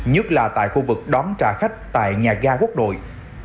nhất là tại khu vực đón trả khách tại nhà ga quốc đội